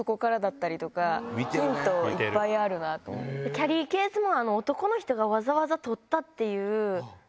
キャリーケースも。